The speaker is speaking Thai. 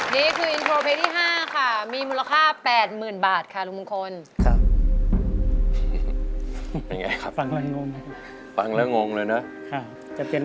นี่คืออินโทรเพลงที่๕ค่ะมีมูลค่า๘๐๐๐บาทค่ะลุงมงคล